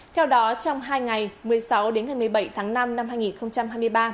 theo đó trong hai ngày một mươi sáu một mươi bảy tháng năm năm hai nghìn hai mươi ba